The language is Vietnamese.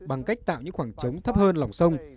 bằng cách tạo những khoảng trống thấp hơn lòng sông